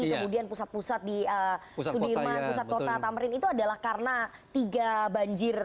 kemudian pusat pusat di sudirman pusat kota tamrin itu adalah karena tiga banjir